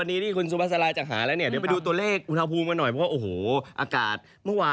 นี่มีหลายเลขเลยทีเดียว